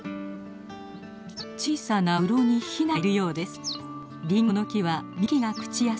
小さなうろにヒナがいるようです。